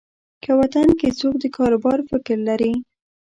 که وطن کې څوک د کاروبار فکر لري.